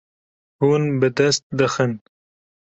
Hûn bi dest dixin.